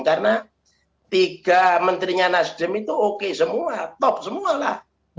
karena tiga menterinya nasdem itu oke semua top semua lah